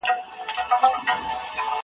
د عرب خبره زړه ته سوله تېره!!